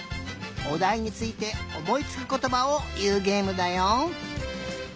おだいについておもいつくことばをいうげえむだよ。